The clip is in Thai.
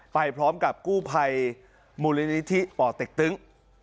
ไปพร้อมกับกู้ภัยมูลนิธิป่อเต็กตึ้ง